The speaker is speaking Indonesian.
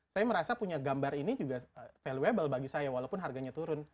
saya merasa punya gambar ini juga valuable bagi saya walaupun harganya turun